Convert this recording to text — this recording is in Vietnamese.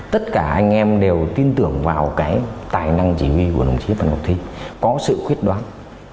tất cả anh em đều tin tưởng vào cái tài năng chỉ huy của đồng chí phan ngọc thi có sự khuyết đoán